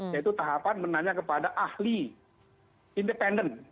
yaitu tahapan menanya kepada ahli independen